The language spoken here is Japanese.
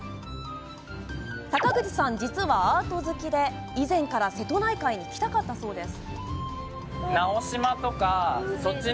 坂口さん、実はアート好きで以前から瀬戸内海に来たかったそうです。